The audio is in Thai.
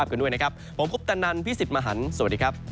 โอ้โอ้โอ้